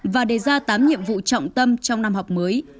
và đề ra tám nhiệm vụ trọng tâm trong năm học mới